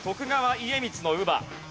家光の乳母。